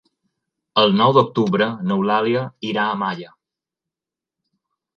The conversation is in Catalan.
El nou d'octubre n'Eulàlia irà a Malla.